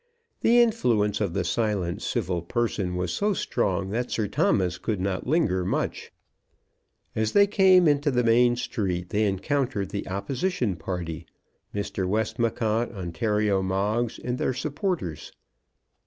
The influence of the silent, civil person was so strong that Sir Thomas could not linger much. As they came into the main street they encountered the opposition party, Mr. Westmacott, Ontario Moggs, and their supporters.